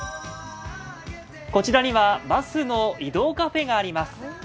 こちらにはバスの移動カフェがあります。